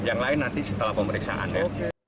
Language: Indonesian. yang lain nanti setelah pemeriksaannya